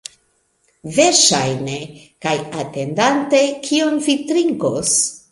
Verŝajne. Kaj atendante, kion vi trinkos?